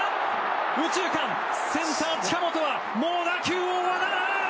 右中間、センター、近本はもう打球を追わない！